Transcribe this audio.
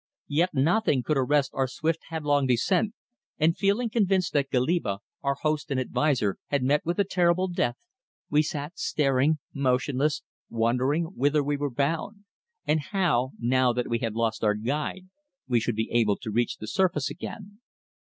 Yet nothing could arrest our swift headlong descent, and feeling convinced that Goliba, our host and adviser, had met with a terrible death, we sat staring, motionless, wondering whither we were bound, and how, now we had lost our guide, we should be able to reach the surface again.